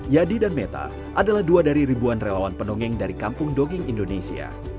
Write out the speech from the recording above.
yadi dan meta adalah dua dari ribuan relawan pendongeng dari kampung dongeng indonesia